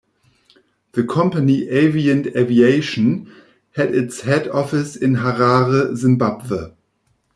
The company Avient Aviation had its head office in Harare, Zimbabwe.